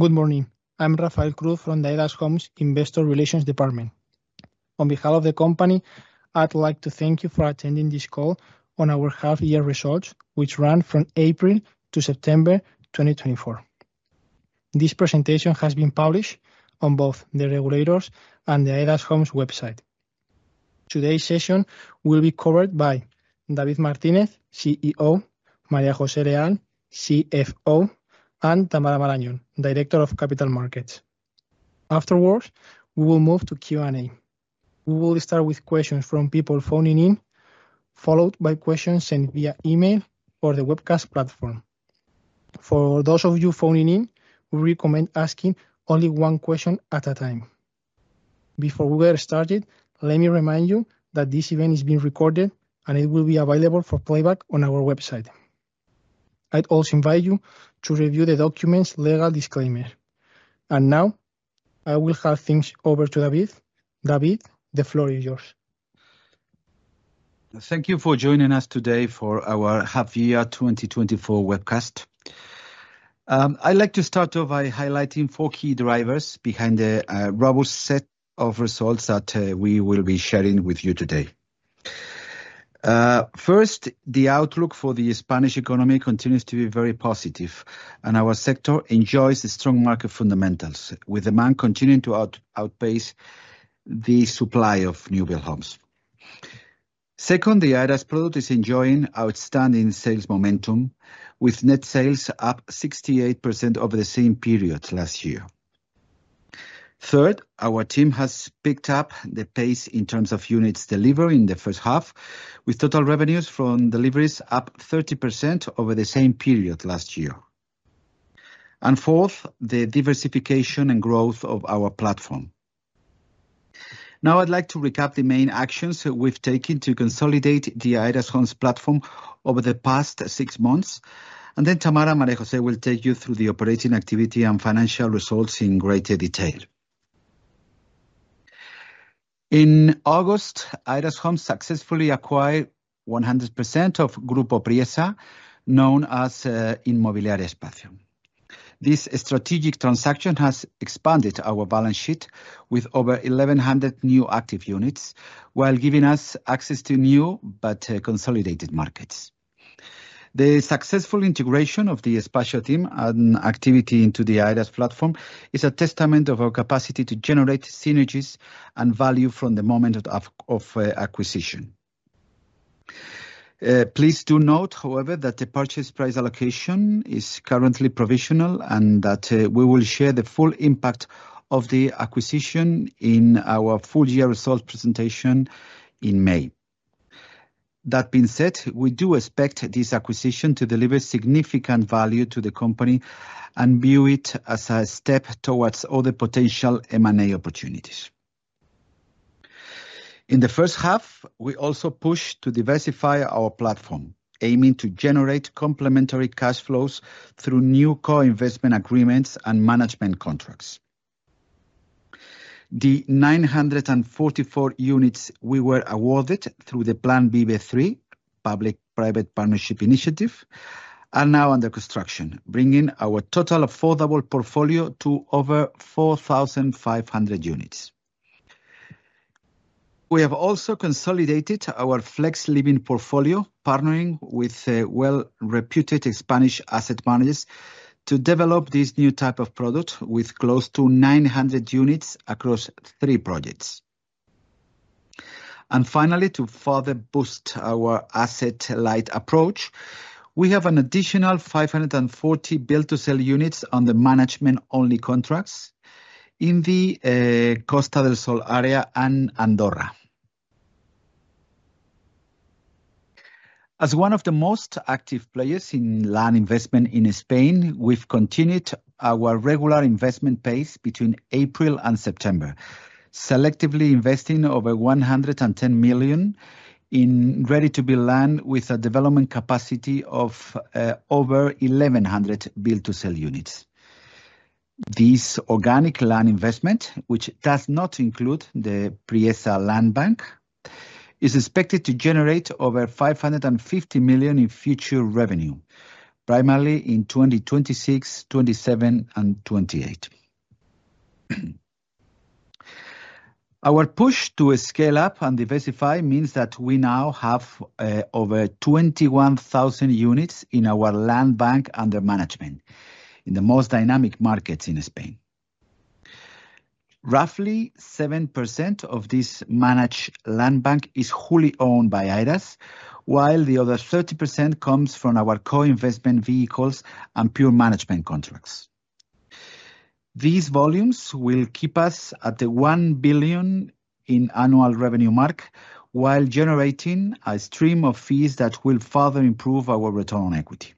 Good morning. I'm Rafael Cruz from the Aedas Homes Investor Relations Department. On behalf of the company, I'd like to thank you for attending this call on our half-year results, which ran from April to September 2024. This presentation has been published on both the regulators' and the Aedas Homes' website. Today's session will be covered by David Martínez, CEO, María José Leal, CFO, and Tamara Marañón, Director of Capital Markets. Afterwards, we will move to Q&A. We will start with questions from people phoning in, followed by questions sent via email or the webcast platform. For those of you phoning in, we recommend asking only one question at a time. Before we get started, let me remind you that this event is being recorded, and it will be available for playback on our website. I'd also invite you to review the document's legal disclaimer. Now, I will hand things over to David. David, the floor is yours. Thank you for joining us today for our half-year 2024 webcast. I'd like to start off by highlighting four key drivers behind the robust set of results that we will be sharing with you today. First, the outlook for the Spanish economy continues to be very positive, and our sector enjoys strong market fundamentals, with demand continuing to outpace the supply of new build homes. Second, the Aedas product is enjoying outstanding sales momentum, with net sales up 68% over the same period last year. Third, our team has picked up the pace in terms of units delivered in the first half, with total revenues from deliveries up 30% over the same period last year. And fourth, the diversification and growth of our platform. Now, I'd like to recap the main actions we've taken to consolidate the Aedas Homes platform over the past six months, and then Tamara, María José will take you through the operating activity and financial results in greater detail. In August, Aedas Homes successfully acquired 100% of Grupo Priesa, known as Inmobiliaria Espacio. This strategic transaction has expanded our balance sheet with over 1,100 new active units, while giving us access to new but consolidated markets. The successful integration of the Espacio team and activity into the Aedas platform is a testament to our capacity to generate synergies and value from the moment of acquisition. Please do note, however, that the purchase price allocation is currently provisional and that we will share the full impact of the acquisition in our full-year results presentation in May. That being said, we do expect this acquisition to deliver significant value to the company and view it as a step towards other potential M&A opportunities. In the first half, we also pushed to diversify our platform, aiming to generate complementary cash flows through new co-investment agreements and management contracts. The 944 units we were awarded through the Plan VIVE III, Public-Private Partnership Initiative, are now under construction, bringing our total affordable portfolio to over 4,500 units. We have also consolidated our Flex Living portfolio, partnering with well-reputed Spanish asset managers to develop this new type of product with close to 900 units across three projects. And finally, to further boost our asset-light approach, we have an additional 540 build-to-sell units under management-only contracts in the Costa del Sol area and Andorra. As one of the most active players in land investment in Spain, we've continued our regular investment pace between April and September, selectively investing over 110 million in ready-to-build land with a development capacity of over 1,100 build-to-sell units. This organic land investment, which does not include the Priesa Land Bank, is expected to generate over 550 million in future revenue, primarily in 2026, 2027, and 2028. Our push to scale up and diversify means that we now have over 21,000 units in our land bank under management in the most dynamic markets in Spain. Roughly 7% of this managed land bank is wholly owned by Aedas, while the other 30% comes from our co-investment vehicles and pure management contracts. These volumes will keep us at the 1 billion in annual revenue mark, while generating a stream of fees that will further improve our return on equity.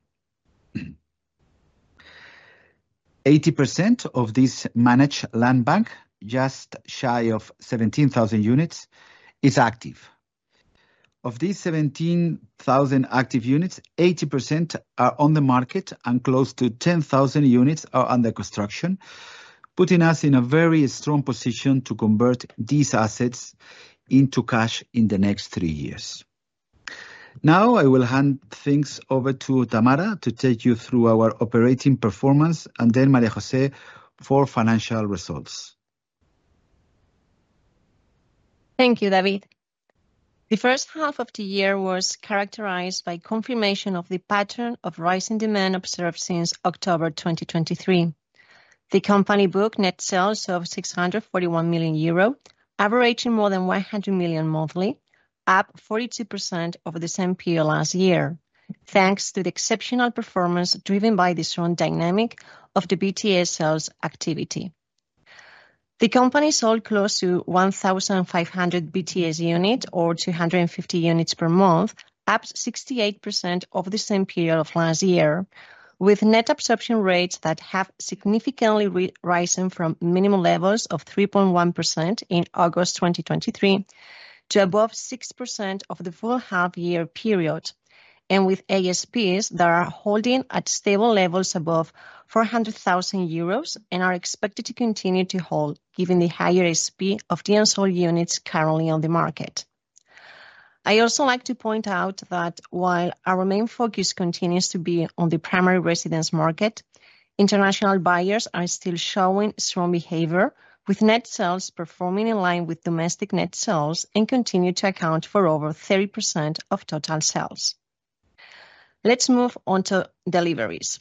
80% of this managed land bank, just shy of 17,000 units, is active. Of these 17,000 active units, 80% are on the market, and close to 10,000 units are under construction, putting us in a very strong position to convert these assets into cash in the next three years. Now, I will hand things over to Tamara to take you through our operating performance, and then María José for financial results. Thank you, David. The first half of the year was characterized by confirmation of the pattern of rising demand observed since October 2023. The company booked net sales of 641 million euro, averaging more than 100 million monthly, up 42% over the same period last year, thanks to the exceptional performance driven by this strong dynamic of the BTS sales activity. The company sold close to 1,500 BTS units, or 250 units per month, up 68% over the same period of last year, with net absorption rates that have significantly risen from minimum levels of 3.1% in August 2023 to above 6% over the full half-year period, and with ASPs that are holding at stable levels above 400,000 euros and are expected to continue to hold, given the higher ASP of the unsold units currently on the market. I'd also like to point out that while our main focus continues to be on the primary residence market, international buyers are still showing strong behavior, with net sales performing in line with domestic net sales and continue to account for over 30% of total sales. Let's move on to deliveries.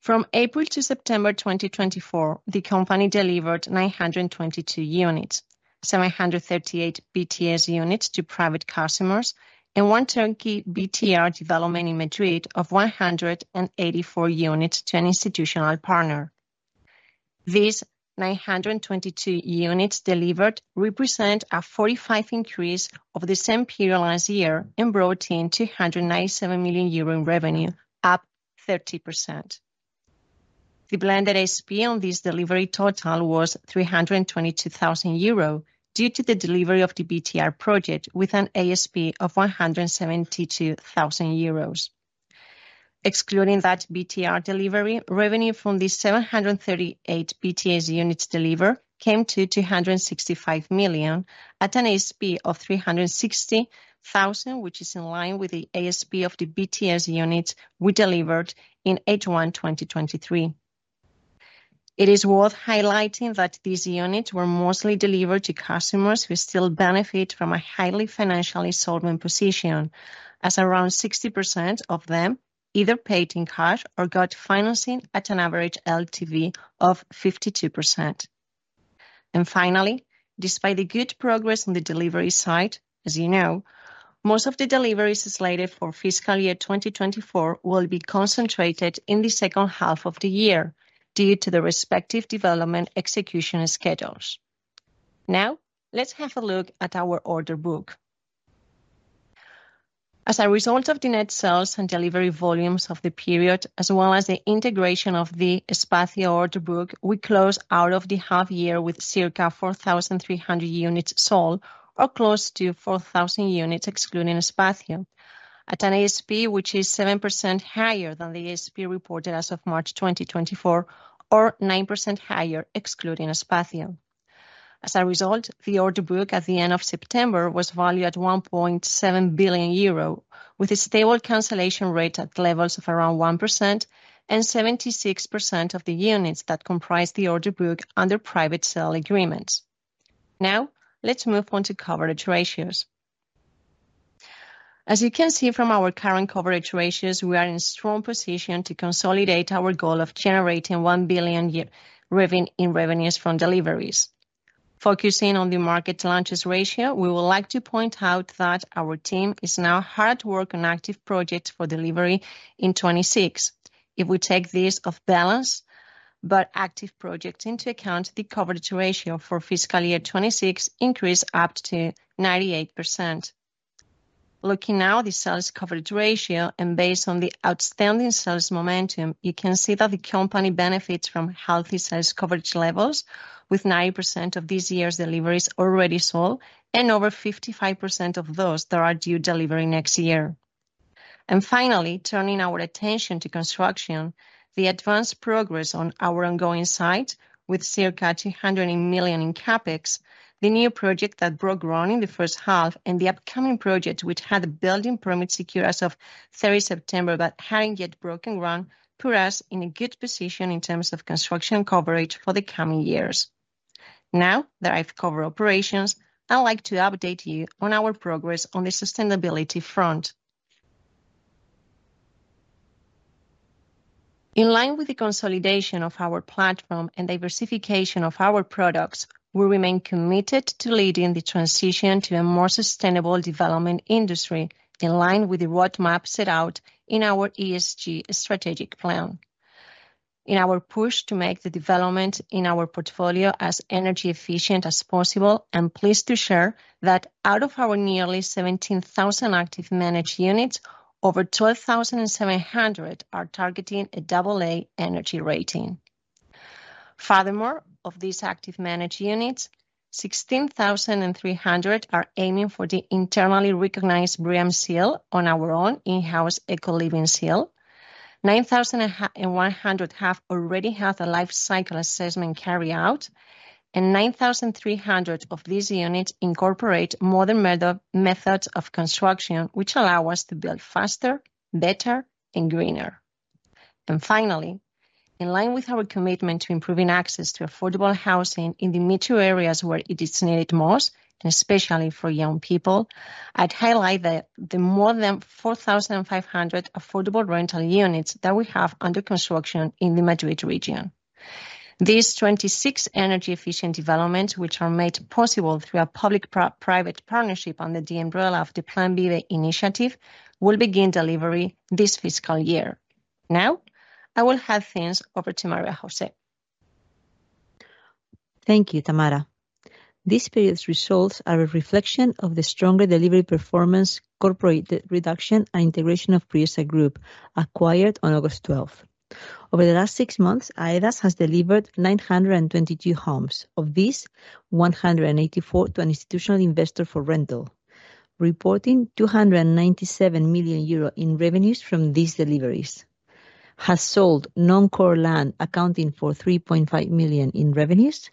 From April to September 2024, the company delivered 922 units, 738 BTS units to private customers, and one turnkey BTR development in Madrid of 184 units to an institutional partner. These 922 units delivered represent a 45% increase over the same period last year and brought in 297 million euro in revenue, up 30%. The blended ASP on this delivery total was 322,000 euro due to the delivery of the BTR project, with an ASP of 172,000 euros. Excluding that BTR delivery, revenue from the 738 BTS units delivered came to 265 million at an ASP of 360,000, which is in line with the ASP of the BTS units we delivered in H1 2023. It is worth highlighting that these units were mostly delivered to customers who still benefit from a highly financially solvent position, as around 60% of them either paid in cash or got financing at an average LTV of 52%. And finally, despite the good progress on the delivery side, as you know, most of the deliveries slated for fiscal year 2024 will be concentrated in the second half of the year due to the respective development execution schedules. Now, let's have a look at our order book. As a result of the net sales and delivery volumes of the period, as well as the integration of the Espacio order book, we closed out of the half-year with circa 4,300 units sold, or close to 4,000 units excluding Espacio, at an ASP which is 7% higher than the ASP reported as of March 2024, or 9% higher excluding Espacio. As a result, the order book at the end of September was valued at 1.7 billion euro, with a stable cancellation rate at levels of around 1% and 76% of the units that comprise the order book under private sale agreements. Now, let's move on to coverage ratios. As you can see from our current coverage ratios, we are in a strong position to consolidate our goal of generating 1 billion in revenues from deliveries. Focusing on the market launches ratio, we would like to point out that our team is now hard at work on active projects for delivery in 2026. If we take this off balance, but active projects into account, the coverage ratio for fiscal year 2026 increased up to 98%. Looking now at the sales coverage ratio and based on the outstanding sales momentum, you can see that the company benefits from healthy sales coverage levels, with 90% of this year's deliveries already sold and over 55% of those that are due delivery next year. And finally, turning our attention to construction, the advanced progress on our ongoing site, with circa 200 million in Capex, the new project that broke ground in the first half, and the upcoming project, which had a building permit secured as of 30 September but hadn't yet broken ground, put us in a good position in terms of construction coverage for the coming years. Now that I've covered operations, I'd like to update you on our progress on the sustainability front. In line with the consolidation of our platform and diversification of our products, we remain committed to leading the transition to a more sustainable development industry in line with the roadmap set out in our ESG strategic plan. In our push to make the development in our portfolio as energy efficient as possible, I'm pleased to share that out of our nearly 17,000 active managed units, over 12,700 are targeting a AA energy rating. Furthermore, of these active managed units, 16,300 are aiming for the internally recognized BREEAM seal on our own in-house eco-living seal. 9,100 have already had a life cycle assessment carried out, and 9,300 of these units incorporate modern methods of construction, which allow us to build faster, better, and greener, and finally, in line with our commitment to improving access to affordable housing in the metro areas where it is needed most, and especially for young people, I'd highlight that the more than 4,500 affordable rental units that we have under construction in the Madrid region. These 26 energy-efficient developments, which are made possible through a public-private partnership under the umbrella of the Plan VIVE initiative, will begin delivery this fiscal year. Now, I will hand things over to María José. Thank you, Tamara. This period's results are a reflection of the stronger delivery performance, corporate reduction, and integration of Grupo Priesa, acquired on August 12. Over the last six months, Aedas has delivered 922 homes. Of these, 184 to an institutional investor for rental, reporting 297 million euro in revenues from these deliveries, has sold non-core land accounting for 3.5 million in revenues,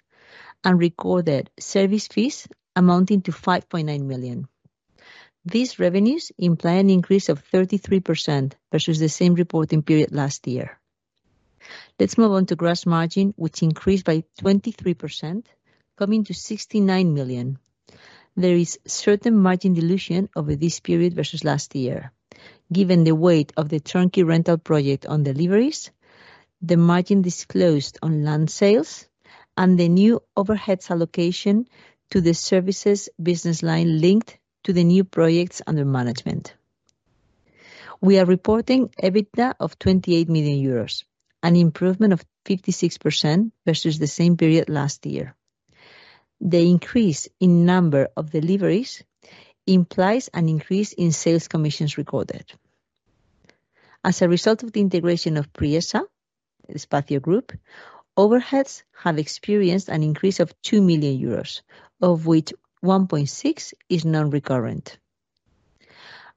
and recorded service fees amounting to 5.9 million. These revenues imply an increase of 33% versus the same reporting period last year. Let's move on to gross margin, which increased by 23%, coming to 69 million. There is certain margin dilution over this period versus last year. Given the weight of the turnkey rental project on deliveries, the margin disclosed on land sales, and the new overheads allocation to the services business line linked to the new projects under management, we are reporting EBITDA of 28 million zc, an improvement of 56% versus the same period last year. The increase in number of deliveries implies an increase in sales commissions recorded. As a result of the integration of Priesa, the Espacio Group, overheads have experienced an increase of 2 million euros, of which 1.6 is non-recurrent.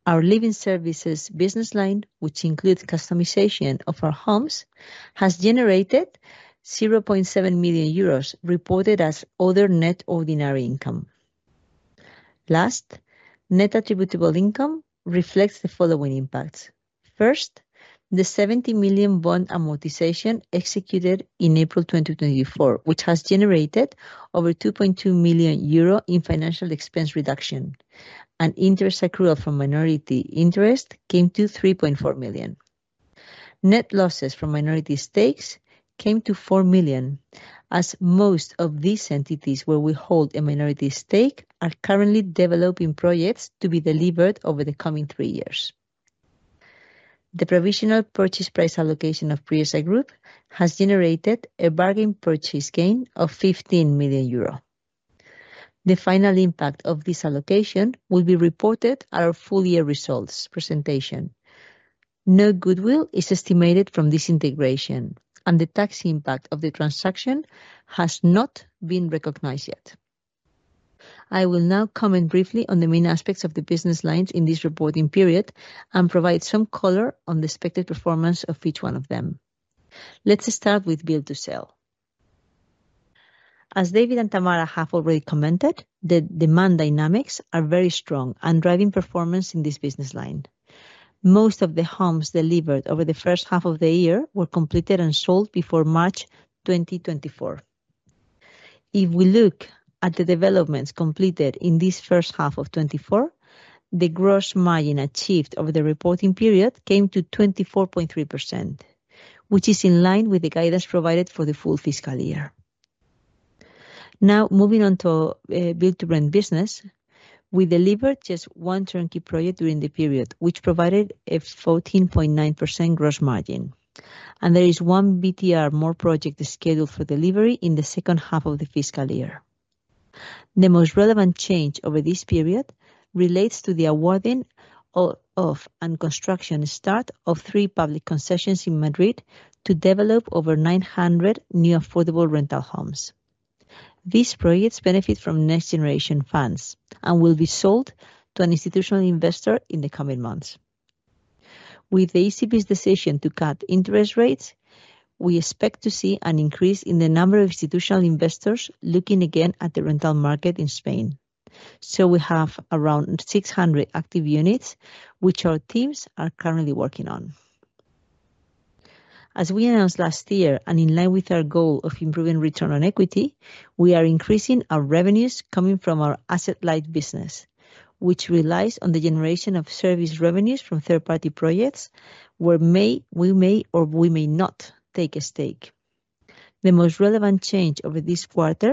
Our living services business line, which includes customization of our homes, has generated 0.7 million reported as other net ordinary income. Last, net attributable income reflects the following impacts. First, the 70 million bond amortization executed in April 2024, which has generated over 2.2 million euro in financial expense reduction, and interest accrual from minority interest came to 3.4 million. Net losses from minority stakes came to 4 million, as most of these entities where we hold a minority stake are currently developing projects to be delivered over the coming three years. The provisional purchase price allocation of Grupo Priesa has generated a bargain purchase gain of 15 million euro. The final impact of this allocation will be reported at our full-year results presentation. No goodwill is estimated from this integration, and the tax impact of the transaction has not been recognized yet. I will now comment briefly on the main aspects of the business lines in this reporting period and provide some color on the expected performance of each one of them. Let's start with Build-to-Sell. As David and Tamara have already commented, the demand dynamics are very strong and driving performance in this business line. Most of the homes delivered over the first half of the year were completed and sold before March 2024. If we look at the developments completed in this first half of 2024, the gross margin achieved over the reporting period came to 24.3%, which is in line with the guidance provided for the full fiscal year. Now, moving on to build-to-rent business, we delivered just one turnkey project during the period, which provided a 14.9% gross margin. There is one more BTR project scheduled for delivery in the second half of the fiscal year. The most relevant change over this period relates to the awarding of and construction start of three public concessions in Madrid to develop over 900 new affordable rental homes. These projects benefit from next-generation funds and will be sold to an institutional investor in the coming months. With the ECB's decision to cut interest rates, we expect to see an increase in the number of institutional investors looking again at the rental market in Spain. So we have around 600 active units, which our teams are currently working on. As we announced last year and in line with our goal of improving return on equity, we are increasing our revenues coming from our asset-light business, which relies on the generation of service revenues from third-party projects where we may or we may not take a stake. The most relevant change over this quarter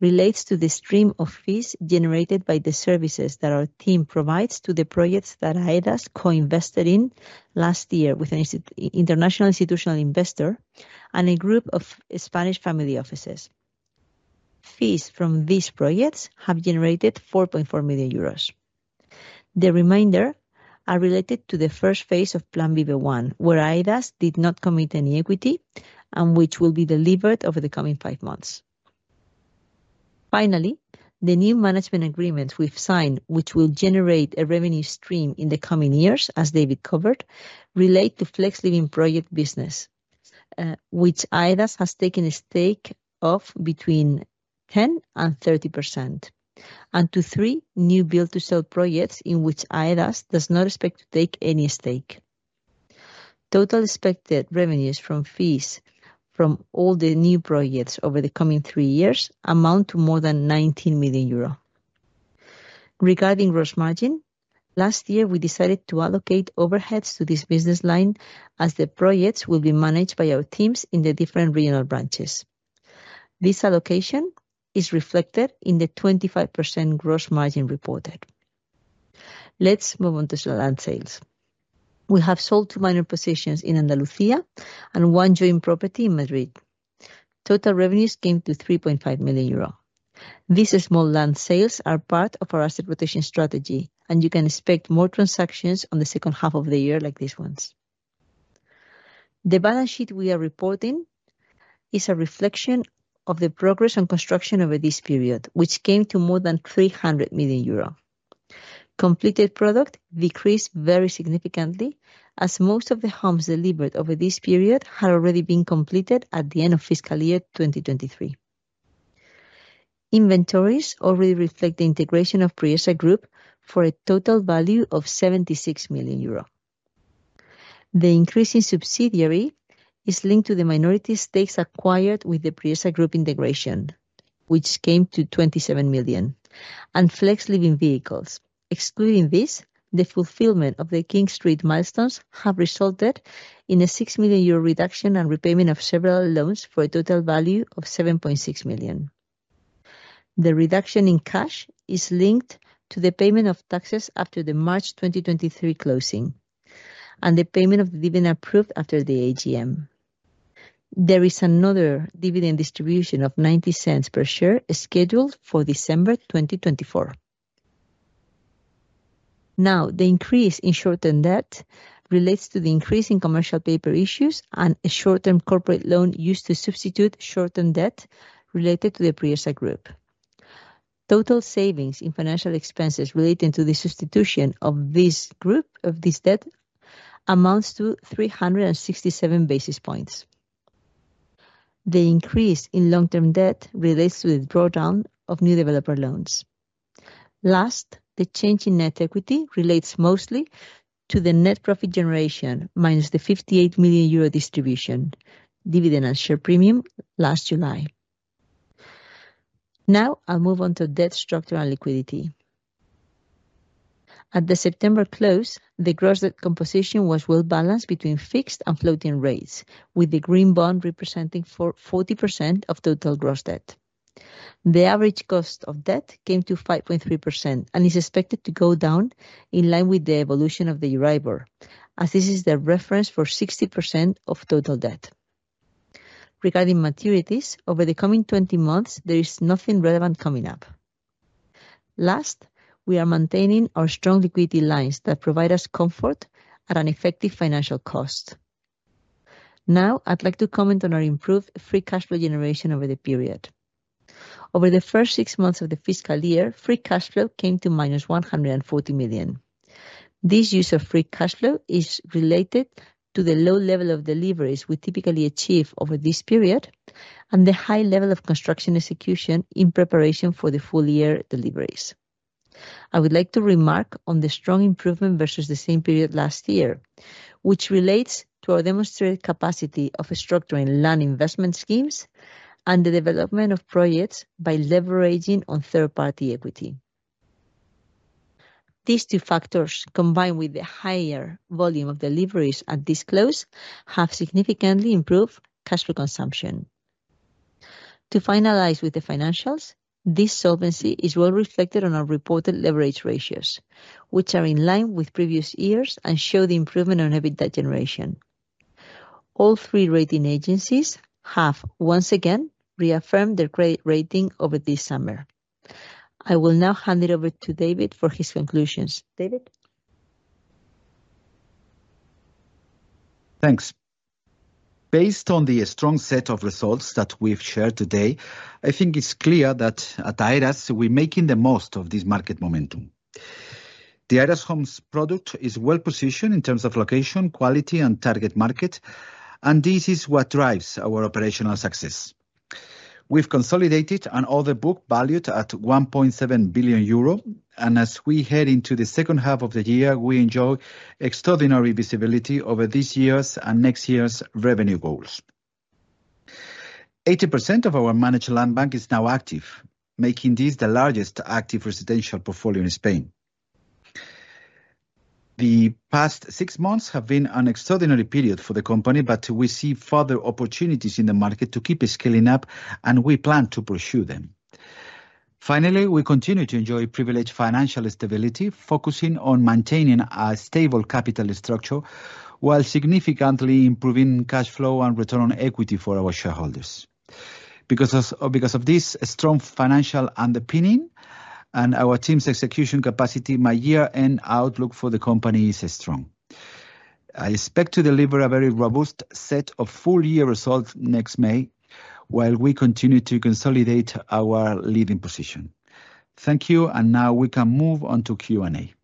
relates to the stream of fees generated by the services that our team provides to the projects that Aedas co-invested in last year with an international institutional investor and a group of Spanish family offices. Fees from these projects have generated 4.4 million euros. The remainder are related to the first phase of Plan VIVE I, where Aedas did not commit any equity and which will be delivered over the coming five months. Finally, the new management agreements we've signed, which will generate a revenue stream in the coming years, as David covered, relate to Flex Living project business, which Aedas has taken a stake of between 10% and 30%, and to three new build-to-sell projects in which Aedas does not expect to take any stake. Total expected revenues from fees from all the new projects over the coming three years amount to more than 19 million euro. Regarding gross margin, last year we decided to allocate overheads to this business line as the projects will be managed by our teams in the different regional branches. This allocation is reflected in the 25% gross margin reported. Let's move on to land sales. We have sold two minor positions in Andalucía and one joint property in Madrid. Total revenues came to 3.5 million euro. These small land sales are part of our asset rotation strategy, and you can expect more transactions on the second half of the year like these ones. The balance sheet we are reporting is a reflection of the progress on construction over this period, which came to more than 300 million euro. Completed product decreased very significantly as most of the homes delivered over this period had already been completed at the end of fiscal year 2023. Inventories already reflect the integration of Grupo Priesa for a total value of 76 million euro. The increase in subsidiary is linked to the minority stakes acquired with the Grupo Priesa integration, which came to 27 million, and Flex Living vehicles. Excluding this, the fulfillment of the King Street milestones have resulted in a 6 million euro reduction and repayment of several loans for a total value of 7.6 million. The reduction in cash is linked to the payment of taxes after the March 2023 closing and the payment of the dividend approved after the AGM. There is another dividend distribution of 0.90 per share scheduled for December 2024. Now, the increase in short-term debt relates to the increase in commercial paper issues and a short-term corporate loan used to substitute short-term debt related to the Priesa Group. Total savings in financial expenses relating to the substitution of this group of this debt amounts to 367 basis points. The increase in long-term debt relates to the drawdown of new developer loans. Last, the change in net equity relates mostly to the net profit generation minus the 58 million euro distribution dividend and share premium last July. Now, I'll move on to debt structure and liquidity. At the September close, the gross debt composition was well balanced between fixed and floating rates, with the green bond representing 40% of total gross debt. The average cost of debt came to 5.3% and is expected to go down in line with the evolution of the Euribor, as this is the reference for 60% of total debt. Regarding maturities, over the coming 20 months, there is nothing relevant coming up. Last, we are maintaining our strong liquidity lines that provide us comfort at an effective financial cost. Now, I'd like to comment on our improved free cash flow generation over the period. Over the first six months of the fiscal year, free cash flow came to -140 million. This use of free cash flow is related to the low level of deliveries we typically achieve over this period and the high level of construction execution in preparation for the full year deliveries. I would like to remark on the strong improvement versus the same period last year, which relates to our demonstrated capacity of structuring land investment schemes and the development of projects by leveraging on third-party equity. These two factors, combined with the higher volume of deliveries at this close, have significantly improved cash flow consumption. To finalize with the financials, this solvency is well reflected on our reported leverage ratios, which are in line with previous years and show the improvement on EBITDA generation. All three rating agencies have, once again, reaffirmed their credit rating over this summer. I will now hand it over to David for his conclusions. David. Thanks. Based on the strong set of results that we've shared today, I think it's clear that at Aedas, we're making the most of this market momentum. The Aedas Homes product is well positioned in terms of location, quality, and target market, and this is what drives our operational success. We've consolidated an order book valued at 1.7 billion euro, and as we head into the second half of the year, we enjoy extraordinary visibility over this year's and next year's revenue goals. 80% of our managed land bank is now active, making this the largest active residential portfolio in Spain. The past six months have been an extraordinary period for the company, but we see further opportunities in the market to keep scaling up, and we plan to pursue them. Finally, we continue to enjoy privileged financial stability, focusing on maintaining a stable capital structure while significantly improving cash flow and return on equity for our shareholders. Because of this strong financial underpinning and our team's execution capacity, my year-end outlook for the company is strong. I expect to deliver a very robust set of full-year results next May while we continue to consolidate our leading position. Thank you, and now we can move on to Q&A.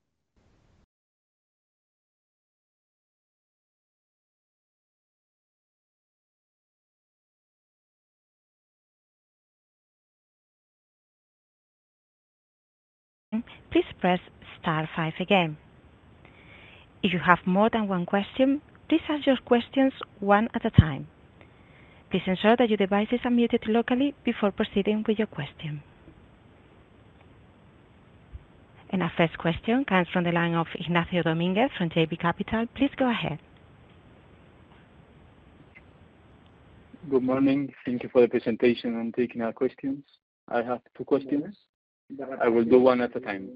Please press star five again. If you have more than one question, please ask your questions one at a time. Please ensure that your device is unmuted locally before proceeding with your question. And our first question comes from the line of Ignacio Domínguez from JB Capital. Please go ahead. Good morning. Thank you for the presentation and taking our questions. I have two questions. I will do one at a time.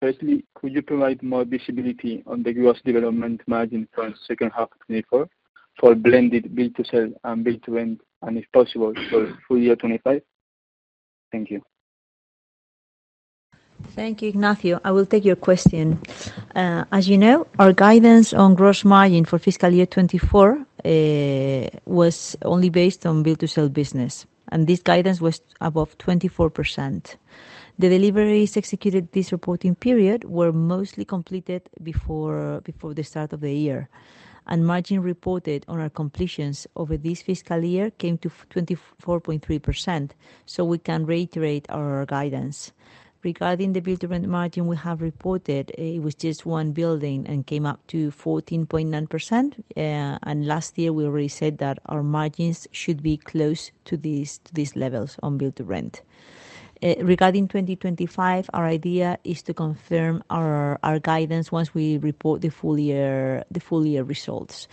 Firstly, could you provide more visibility on the gross development margin for the second half of 2024 for blended build-to-sell and build-to-rent, and if possible, for full year 2025? Thank you. Thank you, Ignacio. I will take your question. As you know, our guidance on gross margin for fiscal year 2024 was only based on build-to-sell business, and this guidance was above 24%. The deliveries executed this reporting period were mostly completed before the start of the year, and margin reported on our completions over this fiscal year came to 24.3%. So we can reiterate our guidance. Regarding the build-to-rent margin we have reported, it was just one building and came up to 14.9%. And last year, we already said that our margins should be close to these levels on build-to-rent. Regarding 2025, our idea is to confirm our guidance once we report the full year results.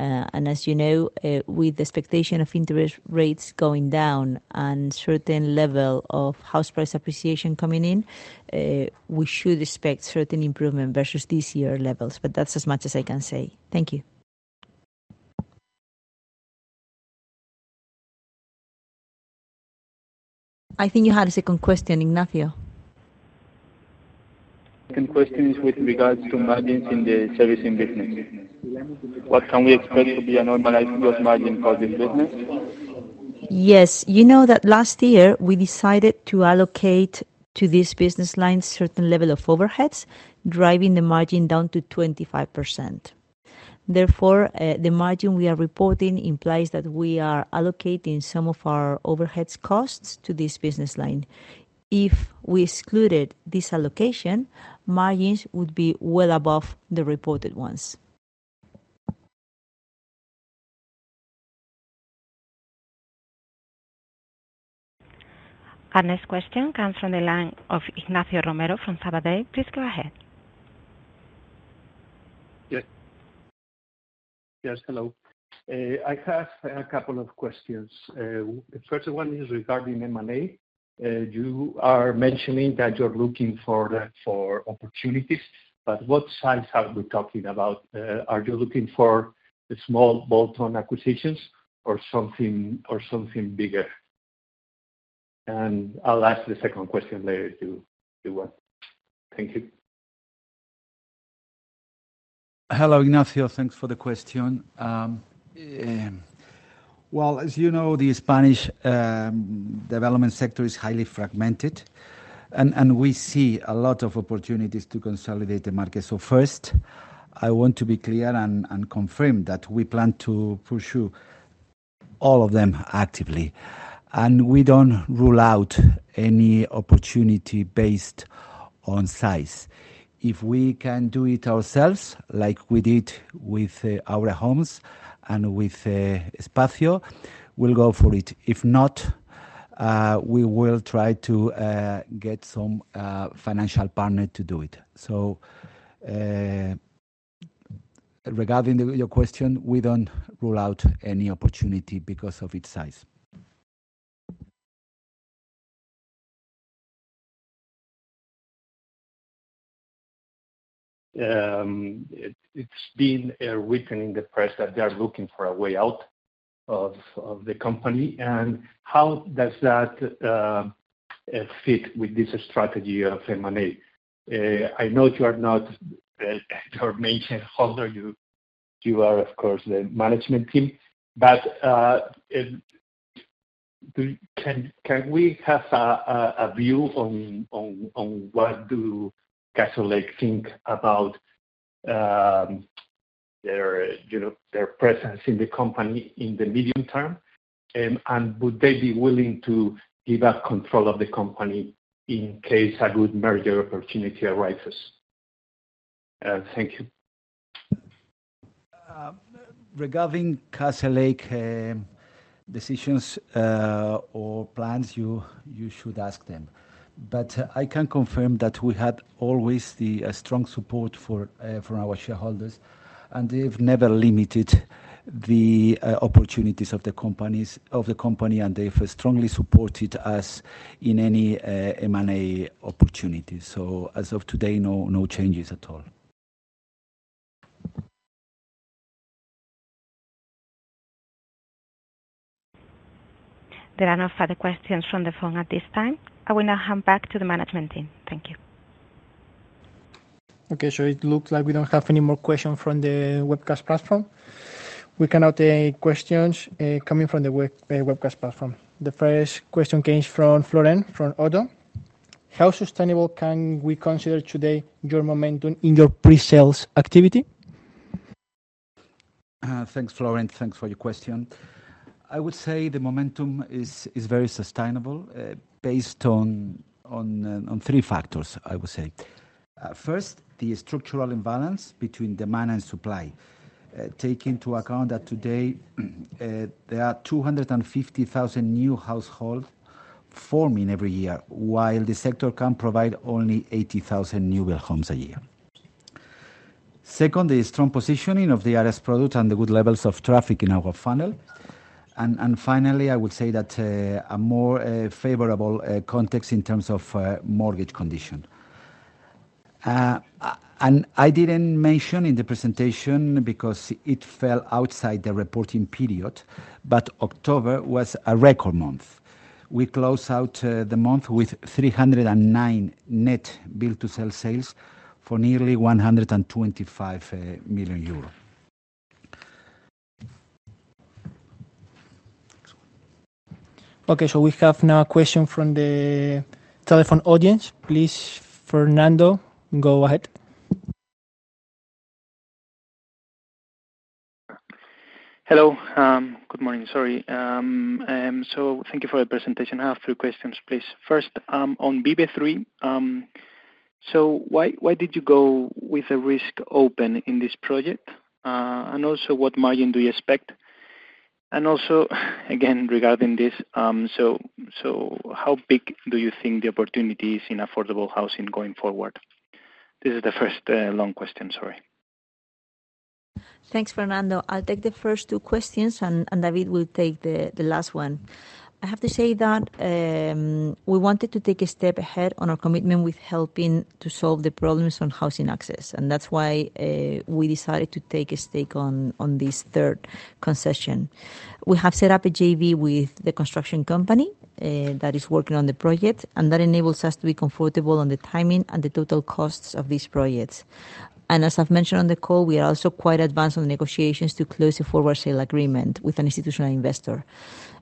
As you know, with the expectation of interest rates going down and a certain level of house price appreciation coming in, we should expect certain improvement versus these year levels, but that's as much as I can say. Thank you. I think you had a second question, Ignacio. Second question is with regards to margins in the servicing business. What can we expect to be a normalized gross margin for this business? Yes. You know that last year, we decided to allocate to this business line a certain level of overheads, driving the margin down to 25%. Therefore, the margin we are reporting implies that we are allocating some of our overheads costs to this business line. If we excluded this allocation, margins would be well above the reported ones. Our next question comes from the line of Ignacio Romero from Sabadell. Please go ahead. Yes. Yes, hello. I have a couple of questions. The first one is regarding M&A. You are mentioning that you're looking for opportunities, but what size are we talking about? Are you looking for small bolt-on acquisitions or something bigger? And I'll ask the second question later if you want. Thank you. Hello, Ignacio. Thanks for the question. Well, as you know, the Spanish development sector is highly fragmented, and we see a lot of opportunities to consolidate the market. So first, I want to be clear and confirm that we plan to pursue all of them actively, and we don't rule out any opportunity based on size. If we can do it ourselves, like we did with Áurea Homes and with Espacio, we'll go for it. If not, we will try to get some financial partner to do it. So regarding your question, we don't rule out any opportunity because of its size. It's been written in the press that they are looking for a way out of the company. And how does that fit with this strategy of M&A? I know you are not the main shareholder. You are, of course, the management team. But can we have a view on what does Castlelake think about their presence in the company in the medium term? And would they be willing to give up control of the company in case a good merger opportunity arises? Thank you. Regarding Castlelake decisions or plans, you should ask them. But I can confirm that we had always the strong support from our shareholders, and they've never limited the opportunities of the company and they've strongly supported us in any M&A opportunity, so as of today, no changes at all. There are no further questions from the phone at this time. I will now hand back to the management team. Thank you. Okay, so it looks like we don't have any more questions from the webcast platform. We can now take questions coming from the webcast platform. The first question came from Florent from Oddo. How sustainable can we consider today your momentum in your pre-sales activity? Thanks, Florent. Thanks for your question. I would say the momentum is very sustainable based on three factors, I would say. First, the structural imbalance between demand and supply. Take into account that today there are 250,000 new households forming every year, while the sector can provide only 80,000 new build homes a year. Second, the strong positioning of the Aedas product and the good levels of traffic in our funnel. And finally, I would say that a more favorable context in terms of mortgage condition. And I didn't mention in the presentation because it fell outside the reporting period, but October was a record month. We closed out the month with 309 net build-to-sell sales for nearly EUR 125 million. Okay, so we have now a question from the telephone audience. Please, Fernando, go ahead. Hello. Good morning. Sorry. So thank you for the presentation. I have three questions, please. First, on BB3, so why did you go with a risk on in this project? And also, what margin do you expect? And also, again, regarding this, so how big do you think the opportunity is in affordable housing going forward? This is the first long question, sorry. Thanks, Fernando. I'll take the first two questions, and David will take the last one. I have to say that we wanted to take a step ahead on our commitment with helping to solve the problems on housing access, and that's why we decided to take a stake on this third concession. We have set up a JV with the construction company that is working on the project, and that enables us to be comfortable on the timing and the total costs of these projects, and as I've mentioned on the call, we are also quite advanced on the negotiations to close a forward sale agreement with an institutional investor.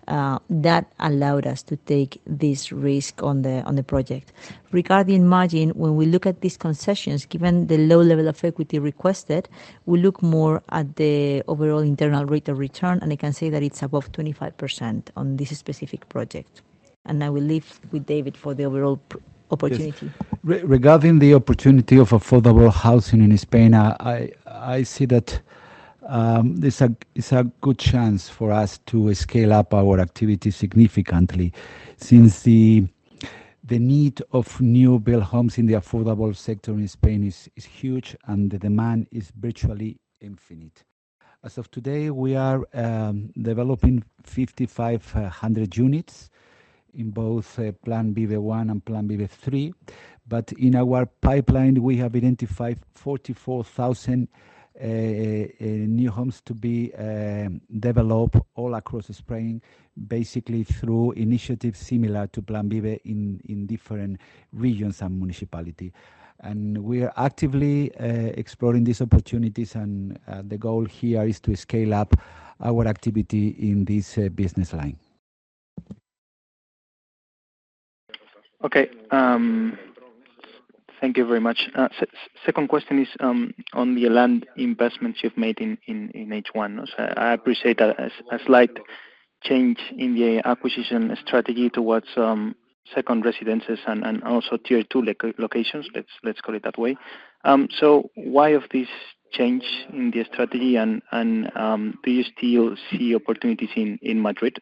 That allowed us to take this risk on the project. Regarding margin, when we look at these concessions, given the low level of equity requested, we look more at the overall internal rate of return, and I can say that it's above 25% on this specific project, and I will leave with David for the overall opportunity. Regarding the opportunity of affordable housing in Spain, I see that it's a good chance for us to scale up our activity significantly since the need of new build homes in the affordable sector in Spain is huge, and the demand is virtually infinite. As of today, we are developing 5,500 units in both Plan VIVIE I and Plan VIVE III, but in our pipeline, we have identified 44,000 new homes to be developed all across Spain, basically through initiatives similar to Plan VIVE in different regions and municipalities, and we are actively exploring these opportunities, and the goal here is to scale up our activity in this business line. Okay. Thank you very much. Second question is on the land investments you've made in H1. I appreciate a slight change in the acquisition strategy towards second residences and also tier two locations, let's call it that way. So why this change in the strategy, and do you still see opportunities in Madrid?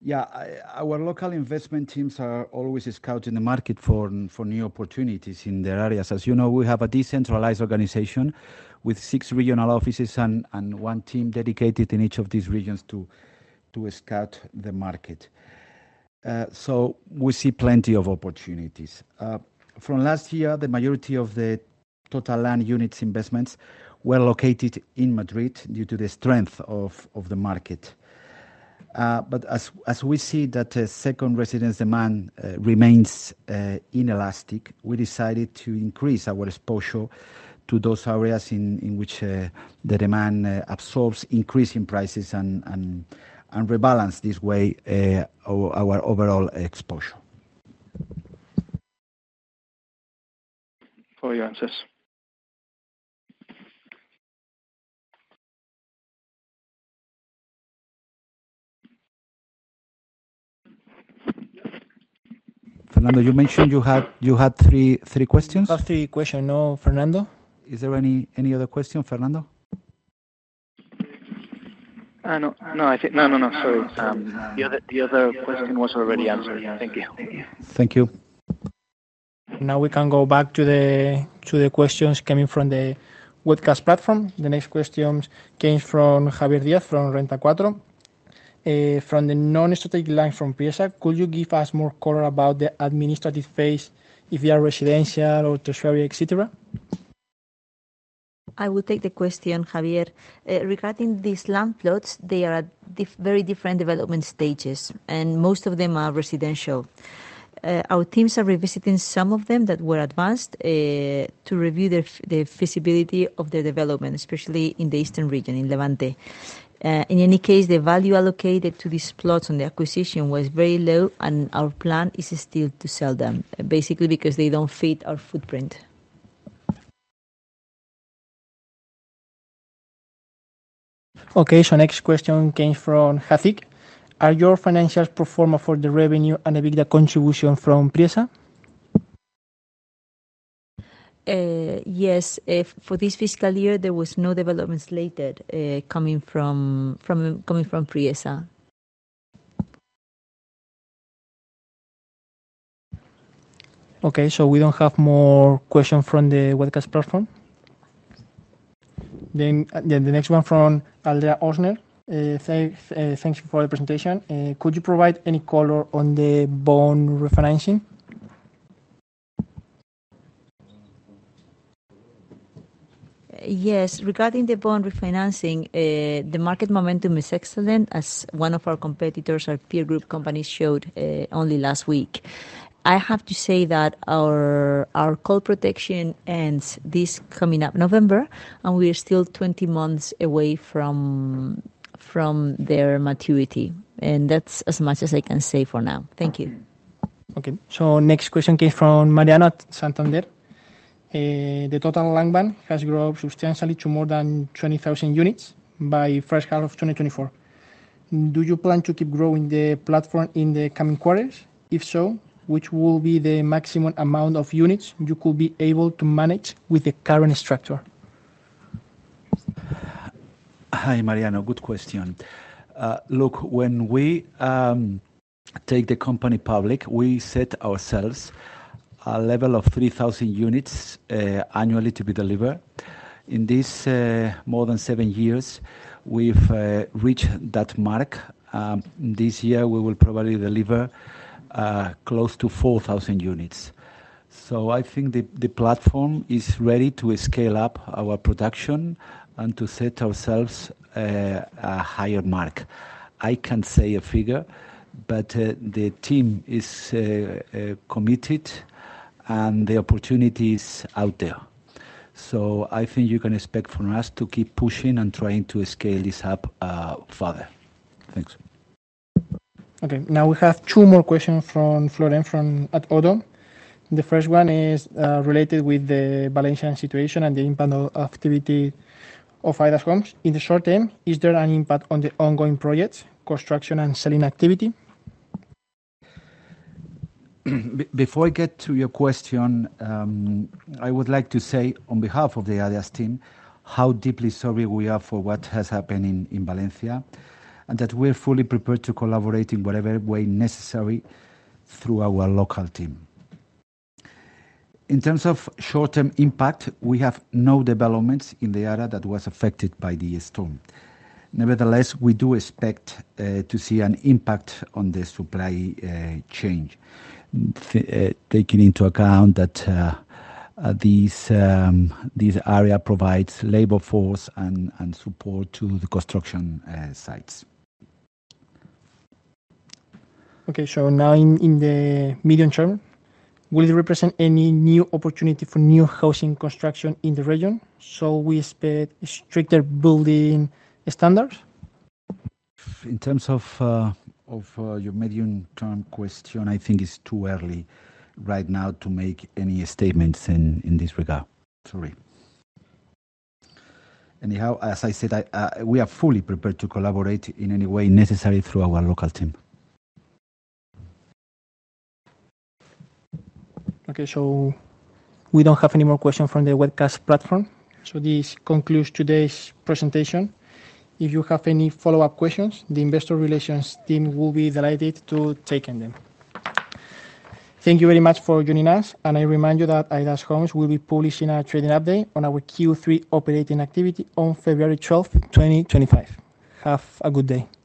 Yeah. Our local investment teams are always scouting the market for new opportunities in their areas. As you know, we have a decentralized organization with six regional offices and one team dedicated in each of these regions to scout the market. So we see plenty of opportunities. From last year, the majority of the total land units investments were located in Madrid due to the strength of the market. But as we see that the second residence demand remains inelastic, we decided to increase our exposure to those areas in which the demand absorbs increasing prices and rebalance this way our overall exposure. For your answers. Fernando, you mentioned you had three questions. Last three questions. No, Fernando. Is there any other question, Fernando? No, no, no. Sorry. The other question was already answered. Thank you. Thank you. Now we can go back to the questions coming from the webcast platform. The next question came from Javier Díaz from Renta 4. From the non-strategic line from Priesa, could you give us more color about the administrative phase if you are residential or tertiary, etc.? I will take the question, Javier. Regarding these land plots, they are at very different development stages, and most of them are residential. Our teams are revisiting some of them that were advanced to review the feasibility of their development, especially in the eastern region, in Levante. In any case, the value allocated to these plots on the acquisition was very low, and our plan is still to sell them, basically because they don't fit our footprint. Okay, so next question came from Hathik. Are your financials pro forma for the revenue and a bigger contribution from Priesa? Yes. For this fiscal year, there were no developments later coming from Priesa. Okay, so we don't have more questions from the webcast platform. Then the next one from Alba Osner. Thanks for the presentation. Could you provide any color on the bond refinancing? Yes. Regarding the bond refinancing, the market momentum is excellent, as one of our competitors, our peer group companies, showed only last week. I have to say that our call protection ends this coming up November, and we are still 20 months away from their maturity. And that's as much as I can say for now. Thank you. Okay. So next question came from Mariana from Santander. The total landbank has grown substantially to more than 20,000 units by first half of 2024. Do you plan to keep growing the platform in the coming quarters? If so, which will be the maximum amount of units you could be able to manage with the current structure? Hi, Mariana. Good question. Look, when we take the company public, we set ourselves a level of 3,000 units annually to be delivered. In these more than seven years, we've reached that mark. This year, we will probably deliver close to 4,000 units. So I think the platform is ready to scale up our production and to set ourselves a higher mark. I can't say a figure, but the team is committed, and the opportunity is out there. So I think you can expect from us to keep pushing and trying to scale this up further. Thanks. Okay. Now we have two more questions from Florent at Oddo. The first one is related with the Valencian situation and the impact of activity of Aedas Homes. In the short term, is there an impact on the ongoing projects, construction, and selling activity? Before I get to your question, I would like to say on behalf of the Aedas team how deeply sorry we are for what has happened in Valencia, and that we are fully prepared to collaborate in whatever way necessary through our local team. In terms of short-term impact, we have no developments in the area that were affected by the storm. Nevertheless, we do expect to see an impact on the supply chain, taking into account that this area provides labor force and support to the construction sites. Okay. So now in the medium term, will it represent any new opportunity for new housing construction in the region? So we expect stricter building standards? In terms of your medium-term question, I think it's too early right now to make any statements in this regard. Sorry. Anyhow, as I said, we are fully prepared to collaborate in any way necessary through our local team. Okay. So we don't have any more questions from the webcast platform. So this concludes today's presentation. If you have any follow-up questions, the investor relations team will be delighted to take them. Thank you very much for joining us, and I remind you that Aedas Homes will be publishing a trading update on our Q3 operating activity on February 12, 2025. Have a good day.